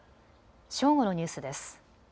正午のニュースです。